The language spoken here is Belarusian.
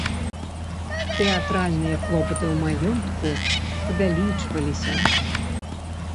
Тэатральныя клопаты ў маёнтку павялічваліся.